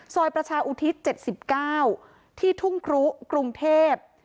ซอยประชาอุทิศ๗๙ที่ทุ่งครุกรุงเทพ